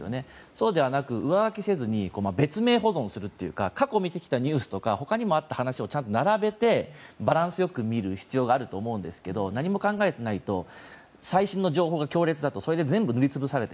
そうではなく上書きせずに別名保存するというか過去見てきたニュースとか他にもあった話をちゃんと並べてバランスよく見る必要があると思うんですけど何も考えていないと最新の情報が強烈だと全部塗りつぶされる。